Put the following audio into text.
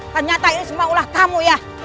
ternyata ini semua ulah tamu ya